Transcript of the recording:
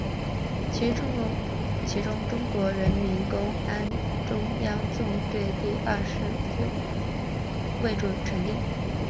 其中中国人民公安中央纵队第二师第四团是以中央警备团为主成立。